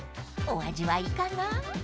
お味はいかが？］